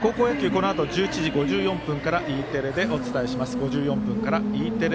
このあと１１時５４分からＥテレでお伝えします。